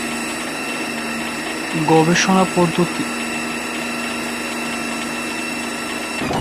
এরা সুলতানের অধীনস্থ ছিল এবং একে অন্যের বিরুদ্ধে লিপ্ত হত।